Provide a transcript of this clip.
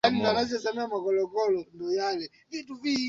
Ni Luteni Hamoud pekee aliyeuawa kwenye eneo la tukio